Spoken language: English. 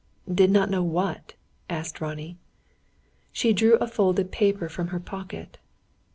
"Did not know what?" asked Ronnie. She drew a folded paper from her pocket.